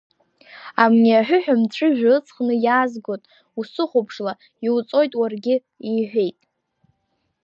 Амни аҳәыҳә амҵәыжәҩа ыҵхны иаазгот, усыхәаԥшла, иуҵот уаргьы, — иҳәеит.